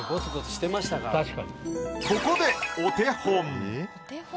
ここでお手本。